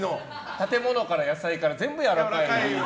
建物から野菜から全部やわらかい。